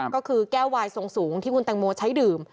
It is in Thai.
ก็คือแก้ววายทรงสูงที่คุณแตงโมใช้ดื่ม